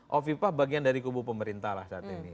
hovipa bagian dari kubu pemerintah lah saat ini